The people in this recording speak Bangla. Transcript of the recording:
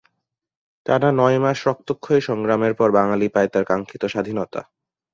টানা নয় মাস রক্তক্ষয়ী সংগ্রামের পর বাঙালি পায় তার কাঙ্খিত স্বাধীনতা।